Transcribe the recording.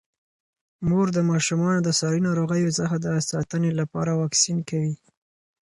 مور د ماشومانو د ساري ناروغیو څخه د ساتنې لپاره واکسین کوي.